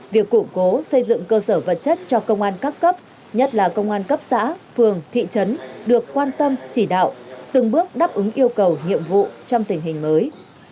việc củng cố xây dựng cơ sở vật chất cho công an các cấp nhất là công an cấp xã phường thị trấn được quan tâm chỉ đạo từng bước đáp ứng yêu cầu nhiệm vụ trong tình hình mới